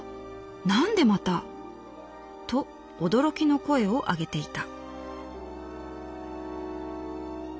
なんでまた！？』と驚きの声を上げていた」。